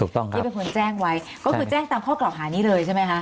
ที่เป็นคนแจ้งไว้ก็คือแจ้งตามข้อกล่าวหานี้เลยใช่ไหมคะ